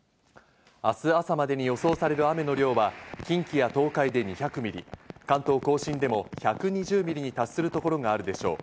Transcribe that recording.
明日朝までに予想される雨の量は近畿や東海で２００ミリ、関東甲信でも１２０ミリに達する所があるでしょう。